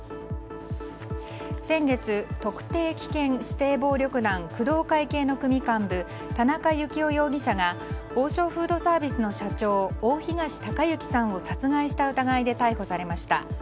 先月、特定危険指定暴力団工藤会系の組幹部田中幸雄容疑者が王将フードサービスの社長大東隆行さんを殺害した疑いで逮捕されました。